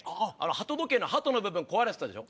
鳩時計の鳩の部分壊れてたでしょ